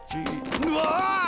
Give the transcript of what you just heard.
うわ！